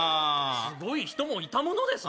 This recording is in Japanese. すごい人もいたものです